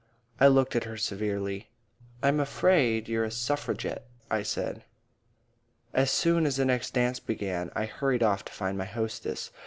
I looked at her severely. "I'm afraid you're a Suffragette," I said. As soon as the next dance began I hurried off to find my hostess.